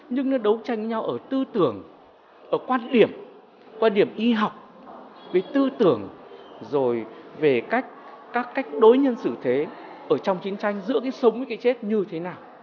nhưng nó đấu tranh với nhau ở tư tưởng ở quan điểm quan điểm y học về tư tưởng rồi về các cách đối nhân xử thế ở trong chiến tranh giữa cái sống với cái chết như thế nào